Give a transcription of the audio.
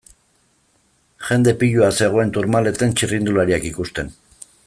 Jende piloa zegoen Tourmaleten txirrindulariak ikusten.